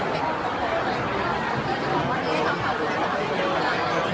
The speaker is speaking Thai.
การรับความรักมันเป็นอย่างไร